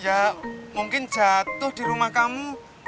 ya mungkin jatuh di rumah kamu